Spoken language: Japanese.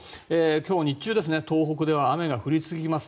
今日日中東北では雨が降り続きます。